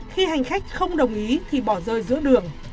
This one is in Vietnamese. khi hành khách không đồng ý thì bỏ rơi giữa đường